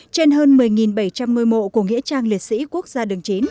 trên hơn một mươi bảy trăm một mươi mộ của nghĩa trang liệt sĩ quốc gia đường chín